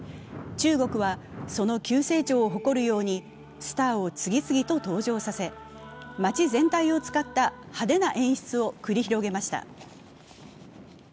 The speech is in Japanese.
中国はその急成長を誇るようにスターを次々と登場させ、街全体を使った派手な演出を繰り広げました。